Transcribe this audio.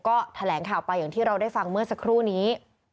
ก็แถลงข่าวไปอย่างที่เราได้ฟังเมื่อสักครู่นี้